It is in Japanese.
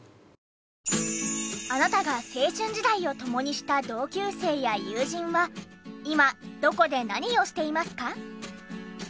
あなたが青春時代を共にした同級生や友人は今どこで何をしていますか？